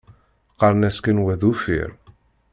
Qqaṛen-as kan wa d uffir.